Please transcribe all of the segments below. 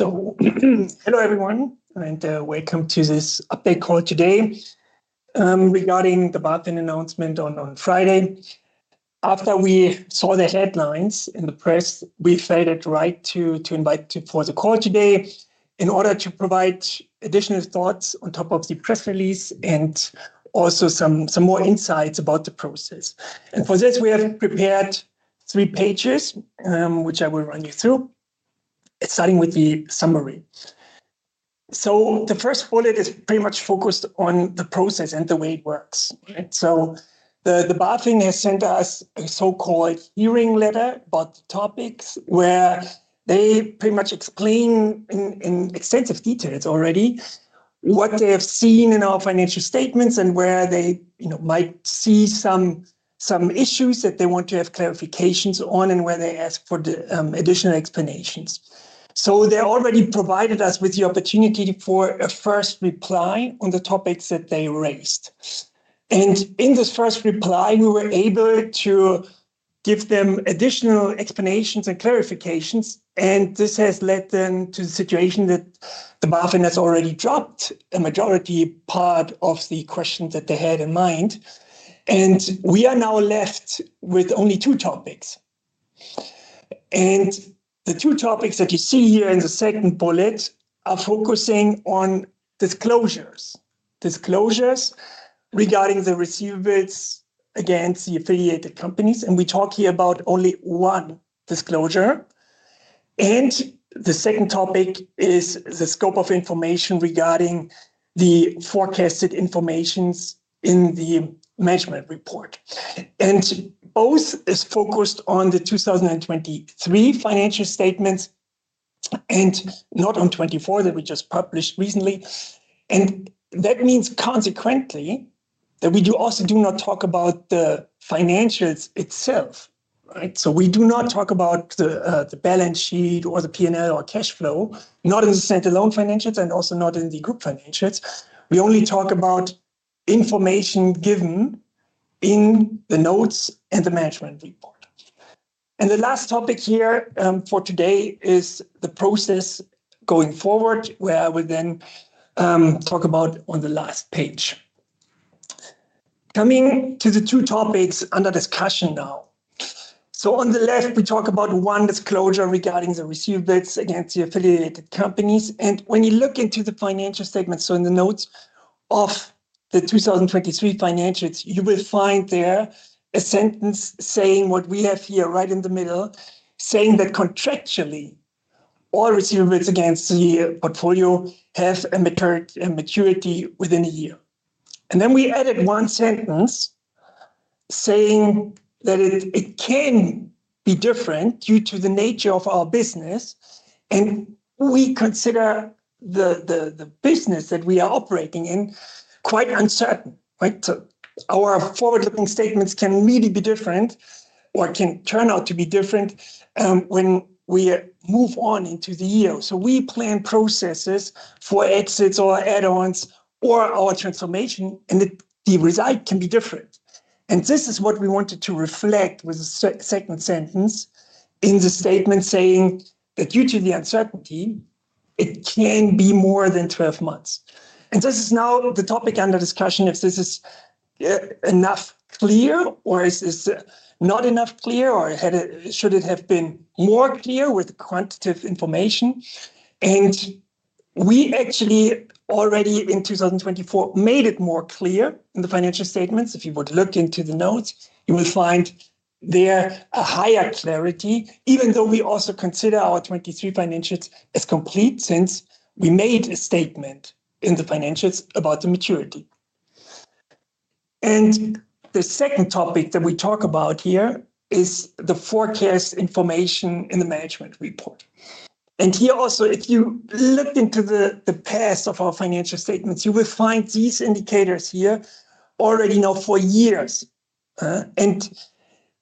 Hello everyone, and welcome to this update call today regarding the BaFin announcement on Friday. After we saw the headlines in the press, we felt it right to invite you for the call today in order to provide additional thoughts on top of the press release and also some more insights about the process. For this, we have prepared three pages, which I will run you through, starting with the summary. The first bullet is pretty much focused on the process and the way it works. The BaFin has sent us a so-called hearing letter about the topics where they pretty much explain in extensive details already what they have seen in our financial statements and where they might see some issues that they want to have clarifications on and where they ask for additional explanations. They already provided us with the opportunity for a first reply on the topics that they raised. In this first reply, we were able to give them additional explanations and clarifications, and this has led them to the situation that the BaFin has already dropped a majority part of the questions that they had in mind. We are now left with only two topics. The two topics that you see here in the second bullet are focusing on disclosures, disclosures regarding the receivables from affiliated companies, and we talk here about only one disclosure. The second topic is the scope of information regarding the forecasted information in the management report. Both are focused on the 2023 financial statements and not on 2024 that we just published recently. That means consequently that we also do not talk about the financials itself. We do not talk about the balance sheet or the income statement or cash flow statement, not in the standalone financials and also not in the group financials. We only talk about information given in the notes and the management commentary. The last topic here for today is the process going forward, where I will then talk about on the last page. Coming to the two topics under discussion now. On the left, we talk about one disclosure regarding the receivables from affiliated companies. When you look into the financial statements, in the notes of the 2023 financials, you will find there a sentence saying what we have here right in the middle, saying that contractually, all receivables from the portfolio have a maturity within a year. We added one sentence saying that it can be different due to the nature of our business, and we consider the business that we are operating in quite uncertain. Our forward-looking statements can really be different or can turn out to be different when we move on into the year. We plan processes for exits or add-ons or our transformation, and the result can be different. This is what we wanted to reflect with the second sentence in the statement saying that due to the uncertainty, it can be more than 12 months. This is now the topic under discussion if this is enough clear or is this not enough clear or should it have been more clear with quantitative information. We actually already in 2024 made it more clear in the financial statements. If you would look into the notes, you will find there a higher clarity, even though we also consider our 2023 financials as complete since we made a statement in the financials about the maturity. The second topic that we talk about here is the forecast information in the management report. Here also, if you look into the past of our financial statements, you will find these indicators here already now for years.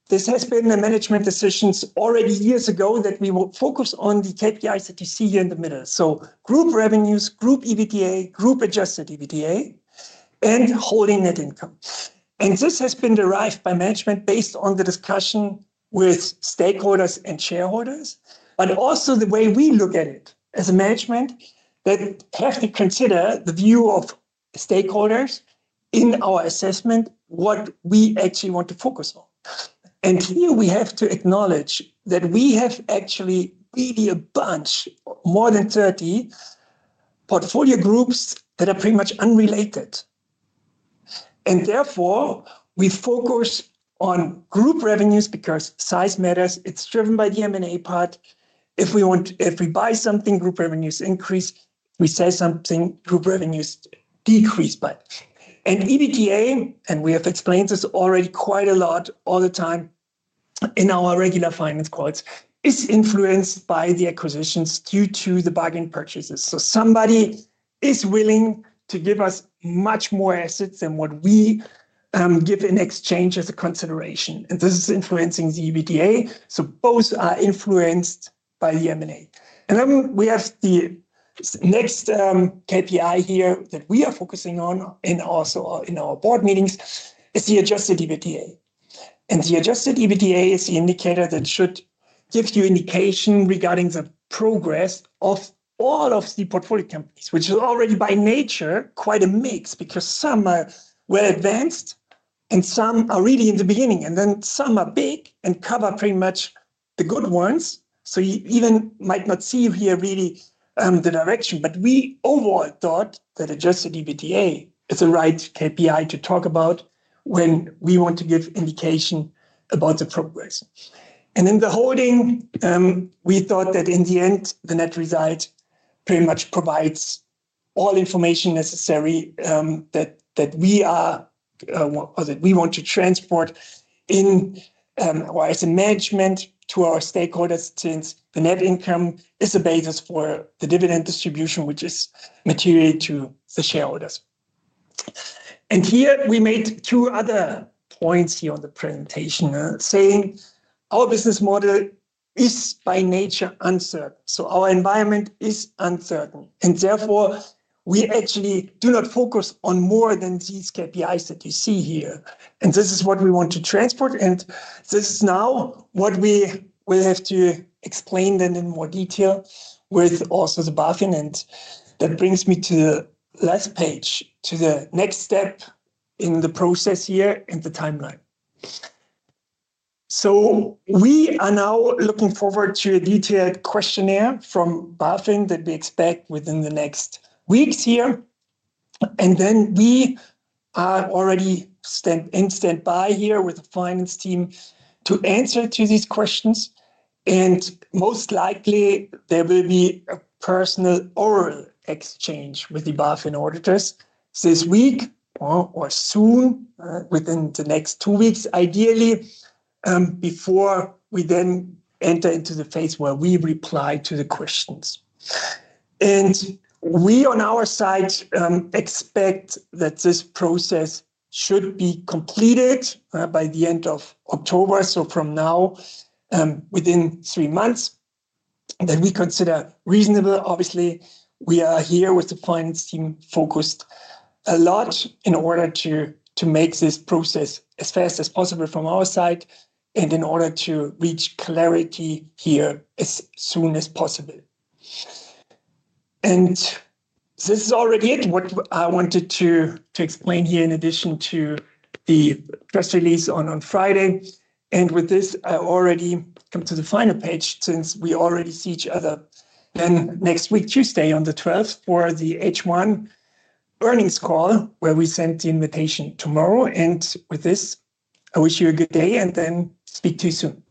This has been a management decision already years ago that we will focus on the KPIs that you see here in the middle: group revenues, group EBITDA, group adjusted EBITDA, and holding net income. This has been derived by management based on the discussion with stakeholders and shareholders, but also the way we look at it as a management that have to consider the view of stakeholders in our assessment, what we actually want to focus on. We have to acknowledge that we have actually really a bunch, more than 30 portfolio groups that are pretty much unrelated. Therefore, we focus on group revenues because size matters. It's driven by the M&A part. If we buy something, group revenues increase. If we sell something, group revenues decrease. EBITDA, and we have explained this already quite a lot all the time in our regular finance calls, is influenced by the acquisitions due to the bargain purchases. Somebody is willing to give us much more assets than what we give in exchange as a consideration. This is influencing the EBITDA. Both are influenced by the M&A. The next KPI here that we are focusing on and also in our board meetings is the adjusted EBITDA. The adjusted EBITDA is the indicator that should give you indication regarding the progress of all of the portfolio companies, which is already by nature quite a mix because some are well advanced and some are really in the beginning, and some are big and cover pretty much the good ones. You even might not see here really the direction, but we overall thought that adjusted EBITDA is the right KPI to talk about when we want to give indication about the progress. The holding, we thought that in the end, the net result pretty much provides all information necessary that we are or that we want to transport in or as a management to our stakeholders since the net income is the basis for the dividend distribution, which is material to the shareholders. We made two other points here on the presentation saying our business model is by nature uncertain. Our environment is uncertain, and therefore, we actually do not focus on more than these KPIs that you see here. This is what we want to transport, and this is now what we will have to explain then in more detail with also the BaFin. That brings me to the last page, to the next step in the process here and the timeline. We are now looking forward to a detailed questionnaire from BaFin that we expect within the next weeks here. We are already in standby here with the finance team to answer to these questions. Most likely, there will be a personal oral exchange with the BaFin auditors this week or soon, within the next two weeks, ideally, before we then enter into the phase where we reply to the questions. We on our side expect that this process should be completed by the end of October. From now, within three months, that we consider reasonable. Obviously, we are here with the finance team focused a lot in order to make this process as fast as possible from our side and in order to reach clarity here as soon as possible. This is already it, what I wanted to explain here in addition to the press release on Friday. With this, I already come to the final page since we already see each other then next week, Tuesday on the 12th for the H1 earnings call where we sent the invitation tomorrow. With this, I wish you a good day and then speak to you soon. Bye.